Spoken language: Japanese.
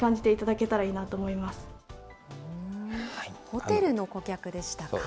ホテルの顧客でしたか。